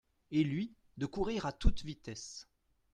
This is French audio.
Et lui de courir à toute vitesse.